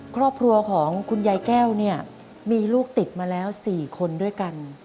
ครอบครัวของคุณยายแก้วเนี่ยมีลูกติดมาแล้ว๔คนด้วยกัน